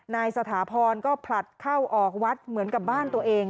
สถาพรก็ผลัดเข้าออกวัดเหมือนกับบ้านตัวเอง